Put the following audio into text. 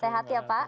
sehat ya pak